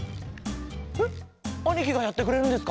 えっあにきがやってくれるんですか？